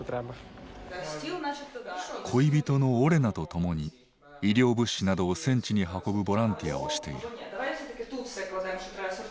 恋人のオレナとともに医療物資などを戦地に運ぶボランティアをしている。